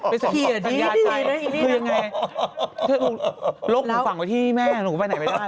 ไปสัญญาใจคือยังไงลกหนูฝั่งไปที่แม่หนูไปไหนไปได้หรือคะ